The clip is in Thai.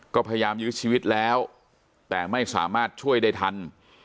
ก็พยายามยื้อชีวิตแล้วแต่ไม่สามารถช่วยได้ทัน